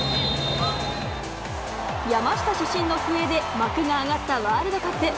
山下主審の笛で幕が上がったワールドカップ。